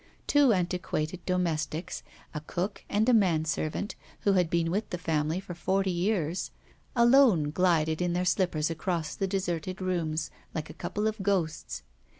Two antiquated domestics, a cook and a manservant, who had been with the family for forty years, alone glided in their slippers about the deserted rooms, like a couple of ghosts.